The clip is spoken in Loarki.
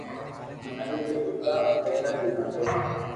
ماري ٻئير روگا پيئا روگا ئيئا